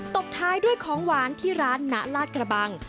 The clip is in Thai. ตบท้ายด้วยของหวานที่ร้านณลาดกระบัง